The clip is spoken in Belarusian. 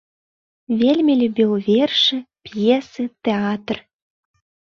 Вельмі любіў вершы, п'есы, тэатр.